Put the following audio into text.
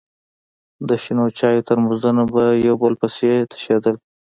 د شنو چايو ترموزونه به يو په بل پسې تشېدل.